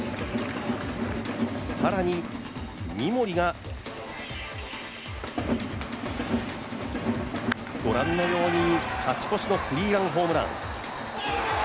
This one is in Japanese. さらに三森が御覧のように勝ち越しのスリーランホームラン。